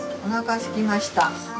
おなかすきました。